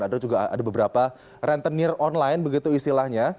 ada juga ada beberapa rentenir online begitu istilahnya